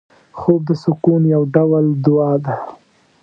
خوب د سکون یو ډول دعا ده